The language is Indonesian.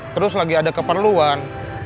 terus lagi ada keperluan